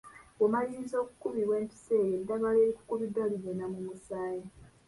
Bw'omaliriza okukubibwa empiso eyo eddagala erikukubiddwa ligenda mu musaayi.